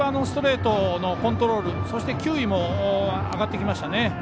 ストレートのコントロールそして、球威も上がってきました。